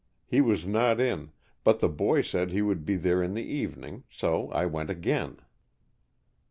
He was not in, but the boy said he would be there in the evening, so I went again."